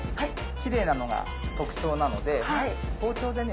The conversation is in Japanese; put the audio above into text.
きれいなのが特徴なので包丁でね